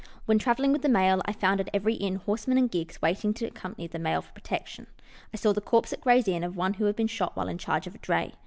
When travelling with the mail, I found at every inn horse men and gigs waiting to accompany the mail for protection. I saw the corpse at Gray's inn of one who had been shot while in charge of a dray.